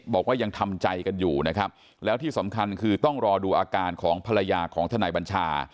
บอกว่ายังทำใจกันอยู่นะครับแล้วที่สำคัญคือต้องรอดูอาการของภรรยาของทนายบัญชา